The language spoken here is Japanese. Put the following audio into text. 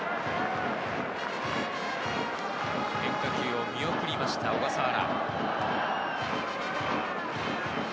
変化球を見送りました、小笠原。